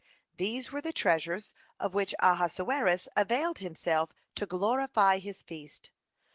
These were the treasures of which Ahasuerus availed himself to glorify his feast.